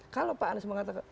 kalau pak anies mengatakan